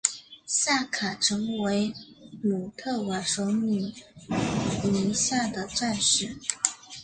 夏卡成为姆特瓦首领麾下的战士。